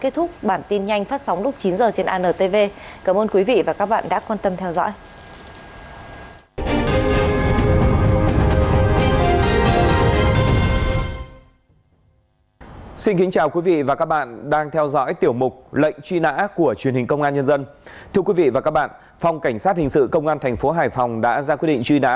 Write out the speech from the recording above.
thưa quý vị và các bạn phòng cảnh sát hình sự công an tp hải phòng đã ra quyết định truy nã